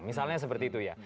misalnya seperti itu ya